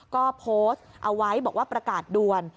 ก็โพสต์เอาไว้บอกว่าประกาศด่วน